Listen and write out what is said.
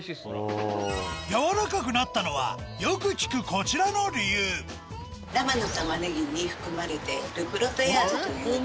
やわらかくなったのはよく聞くこちらの理由生の。